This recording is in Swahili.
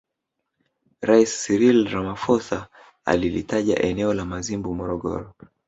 Rais Cyril Ramaphosa alilitaja eneo la Mazimbu Morogoro